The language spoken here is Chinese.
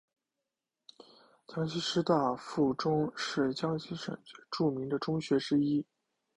江西师大附中是江西省最著名的中学之一。